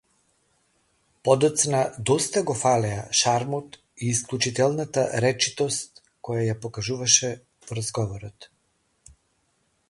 Подоцна доста го фалеа шармот и исклучителната речитост која ја покажуваше во разговорот.